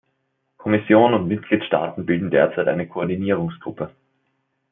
Kommission und Mitgliedstaaten bilden derzeit eine Koordinierungsgruppe.